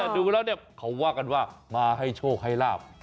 ดูแล้วเนี่ยเขาว่ากันว่ามาให้โชคให้ลาบ